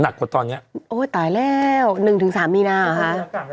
กว่าตอนเนี้ยโอ้ยตายแล้วหนึ่งถึงสามมีนาเหรอคะ